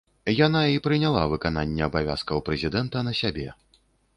Яна і прыняла выкананне абавязкаў прэзідэнта на сябе.